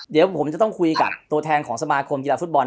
เดี๋ยวผมจะต้องคุยกับตัวแทนของสมาคมกีฬาฟุตบอล